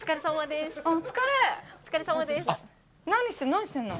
何してるの？